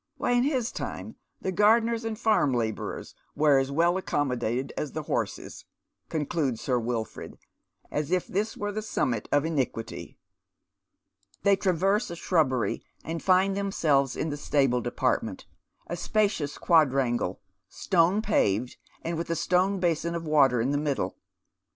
Why, in his time the gardeners and fai m labourers were as well accommodated as the horses," concludes Sir Wilford, as if this were the summit of iniquity. They traverse a shrubbery, and find themselves in the stable department, a spacious quadrangle, stone paved, with a stone basin of water in the middle.